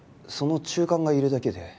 その中間がいるだけで。